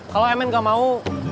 kalau emin gak mau